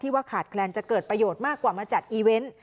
ว่าขาดแคลนจะเกิดประโยชน์มากกว่ามาจัดอีเวนต์